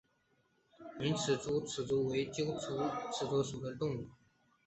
拟珍齿螯蛛为球蛛科齿螯蛛属的动物。